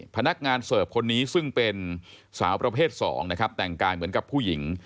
พนักงานเสิร์ฟคนนี้ซึ่งเป็นสาวประเภท๒นะครับแต่งกายเหมือนกับผู้หญิง